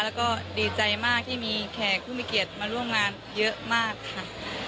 แล้วก็ดีใจมากที่มีแขกผู้มีเกียรติมาร่วมงานเยอะมากค่ะ